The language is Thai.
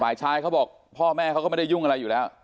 ฝ่ายชายเขาบอกพ่อแม่เขาก็ไม่ได้ยุ่งอะไรอยู่แล้ว